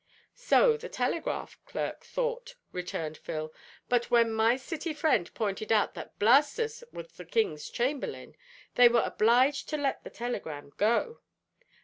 "So the telegraph clerk thought," returned Phil, "but when my City friend pointed out that Blastus was `the king's chamberlain' they were obliged to let the telegram go.